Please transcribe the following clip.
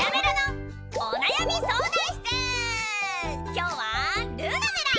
今日はルナメラ。